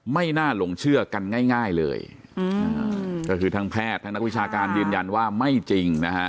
ไม่น่าหลงเชื่อกันง่ายเลยก็คือทั้งแพทย์ทั้งนักวิชาการยืนยันว่าไม่จริงนะฮะ